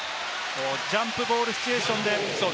ジャンプボールシチュエーションです。